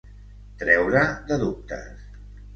Treure de dubtes.